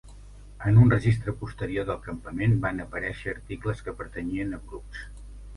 En un registre posterior del campament van aparèixer articles que pertanyien a Brooks.